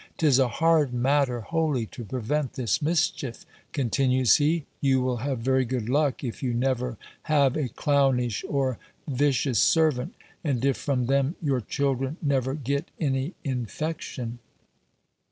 'Tis a hard matter wholly to prevent this mischief," continues he; "you will have very good luck, if you never have a clownish or vicious servant, and if from them your children never get any infection."